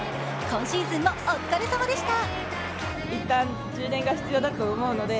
今シーズンもお疲れさまでした。